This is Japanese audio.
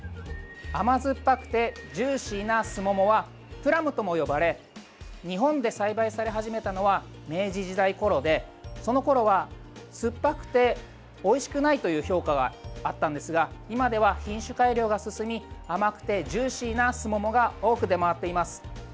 甘酸っぱくてジューシーなすももはプラムとも呼ばれ日本で栽培され始めたのは明治時代ころでそのころは、酸っぱくておいしくないという評価があったんですが今では品種改良が進み甘くてジューシーなすももが多く出回っています。